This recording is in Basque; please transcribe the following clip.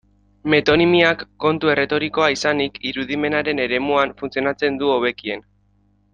Metonimiak, kontu erretorikoa izanik, irudimenaren eremuan funtzionatzen du hobekien.